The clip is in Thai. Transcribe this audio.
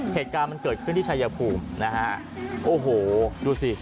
เหตุการณ์มันเกิดขึ้นที่ชายภูมินะฮะโอ้โหดูสิ